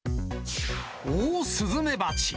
オオスズメバチ。